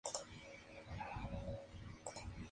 Fue flamante vencedor de dos Lieja-Bastogne-Lieja.